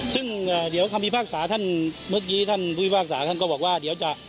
ซึ่งเดี๋ยวคำพิพากษาท่านเมื่อกี้ท่านผู้พิพากษาท่านก็บอกว่าเดี๋ยวจะ